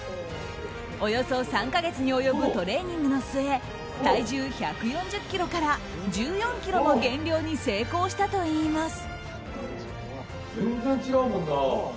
およそ３か月に及ぶトレーニングの末体重１４０ｋｇから、１４ｋｇの減量に成功したといいます。